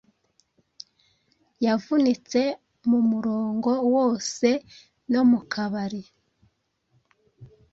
Yavunitse mumurongo wose no mukabari